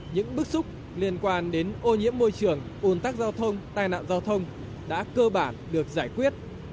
những bức xúc liên quan đến ô nhiễm môi trường ủn tắc giao thông tai nạn giao thông đã cơ bản được giải quyết